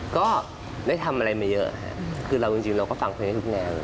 ก็ได้ทำอะไรมาเยอะค่ะคือเราก็ฟังเพลงในทุกงาน